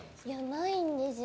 ないんですよ。